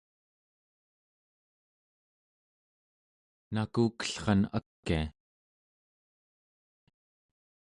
nakukellran akia